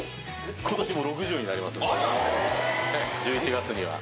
１１月には。